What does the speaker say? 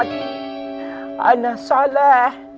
anak soleh fatin soleh ha